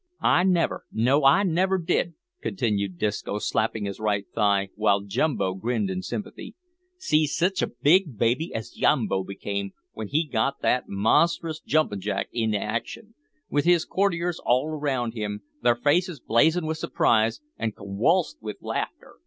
"I never, no I never, did," continued Disco, slapping his right thigh, while Jumbo grinned in sympathy, "see sitch a big baby as Yambo became w'en he got that monstrous jumpin' jack into action with his courtiers all round him, their faces blazin' with surprise, or conwulsed wi' laughter.